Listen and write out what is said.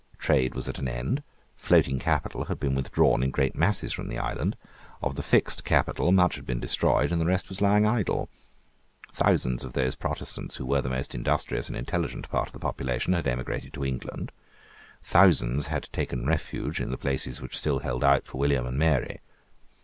Trade was at an end. Floating capital had been withdrawn in great masses from the island. Of the fixed capital much had been destroyed, and the rest was lying idle. Thousands of those Protestants who were the most industrious and intelligent part of the population had emigrated to England. Thousands had taken refuge in the places which still held out for William and Mary.